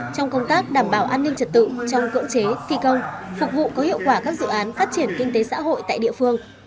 trong công tác đảm bảo an ninh trật tự trong cưỡng chế thi công phục vụ có hiệu quả các dự án phát triển kinh tế xã hội tại địa phương